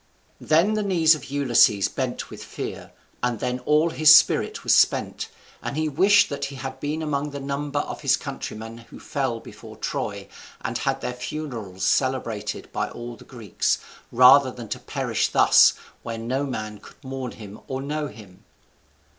Then the knees of Ulysses bent with fear, and then all his spirit was spent, and he wished that he had been among the number of his countrymen who fell before Troy, and had their funerals celebrated by all the Greeks, rather than to perish thus, where no man could mourn him or know him.